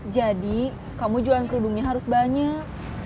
jadi kamu jualan kerudungnya harus banyak